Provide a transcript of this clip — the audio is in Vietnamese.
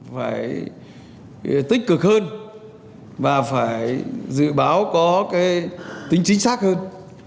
phải tích cực hơn và phải dự báo có cái tính chính xác hơn